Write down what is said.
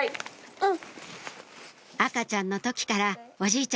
うん。